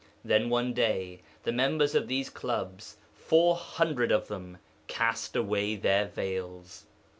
Then one day the members of these clubs four hundred of them _cast away their veils.